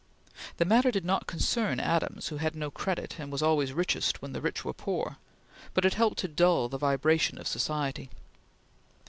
The matter did not concern Adams, who had no credit, and was always richest when the rich were poor; but it helped to dull the vibration of society.